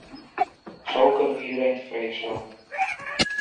Zo kunnen we iedereen tevreden stellen.